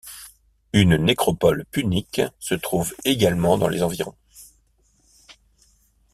Une nécropole punique se trouve également dans les environs.